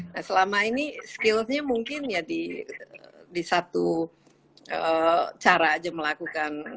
nah selama ini skillsnya mungkin ya di satu cara aja melakukan